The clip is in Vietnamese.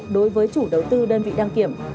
đối với chủ đầu tư đơn vị đăng kiểm